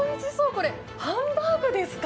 これ、ハンバーグですか？